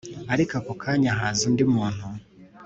ariko ako kanya haza undi muntu